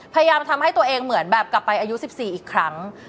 พยายามทำให้ตัวเองเหมือนแบบกลับไปอายุ๑๔อีกครั้ง